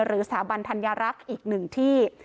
สถาบันธัญรักษ์อีกหนึ่งที่